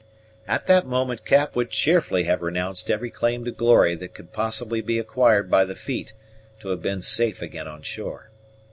At that moment Cap would cheerfully have renounced every claim to glory that could possibly be acquired by the feat, to have been safe again on shore.